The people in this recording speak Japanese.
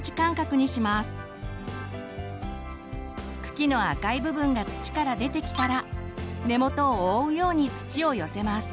茎の赤い部分が土から出てきたら根元を覆うように土を寄せます。